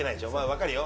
わかるよ。